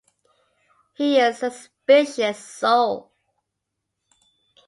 He is suspicious soul.